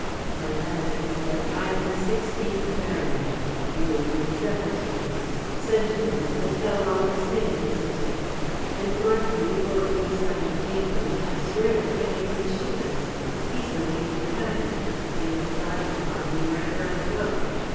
"My lad," he said, "I am the sixteenth baronet. You would be the seventeenth. Sentiment, but hell all the same, isn't it? And, mark you, before we can sign the papers, I swear that Henry will shoot us. He's living in a panic. I feel his eyes upon me wherever I go."